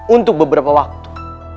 untuk beberapa waktu